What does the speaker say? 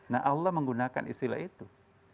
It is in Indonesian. nah allah menggunakan istilah itu